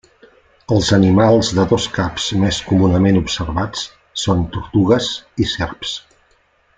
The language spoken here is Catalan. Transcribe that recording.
Els animals de dos caps més comunament observats són tortugues i serps.